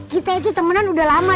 kita itu temanan udah lama